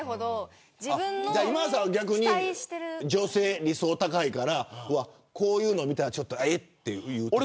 今田さんは逆に女性に理想が高いからこういうのを見たらえっていうのが。